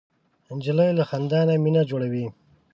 نجلۍ له خندا نه مینه جوړوي.